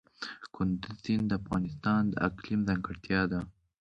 کندز سیند د افغانستان د اقلیم ځانګړتیا ده.